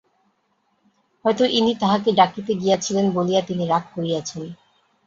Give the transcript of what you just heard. হয়তো ইনি তাঁহাকে ডাকিতে গিয়াছিলেন বলিয়া তিনি রাগ করিয়াছেন।